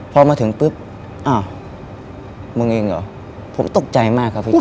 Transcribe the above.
พอมาถึงปุ๊บอ้าวมึงเองเหรอผมตกใจมากครับพี่แ